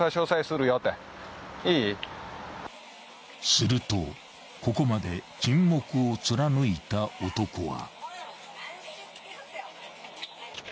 ［するとここまで沈黙を貫いた男は］